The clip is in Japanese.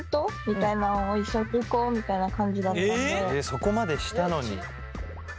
そこまでしたのに。